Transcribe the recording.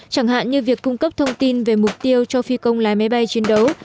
chẳng hạn như việc cung cấp thông tin về mục tiêu cho phi công lái máy bay chiến đấu